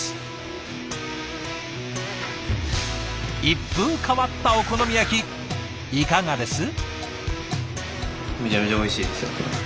一風変わったお好み焼きいかがです？